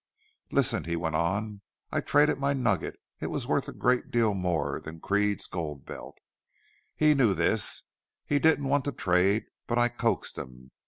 "Listen," he went on. "I traded my nugget. It was worth a great deal more than Creede's gold belt. He knew this. He didn't want to trade. But I coaxed him.